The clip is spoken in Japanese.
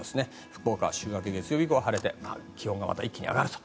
福岡、週明け月曜日ごろ晴れて気温が一気に上がると。